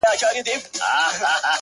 o خدايه ښه نـری بـاران پرې وكړې نن،